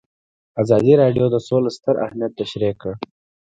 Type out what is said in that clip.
ازادي راډیو د سوله ستر اهميت تشریح کړی.